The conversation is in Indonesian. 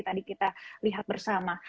tadi kita lihat bersama